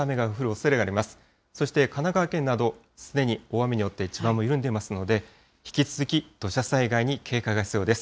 そして神奈川県など、すでに大雨によって地盤も緩んでいますので、引き続き土砂災害に警戒が必要です。